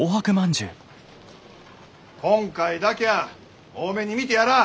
今回だきゃあ大目に見てやらあ。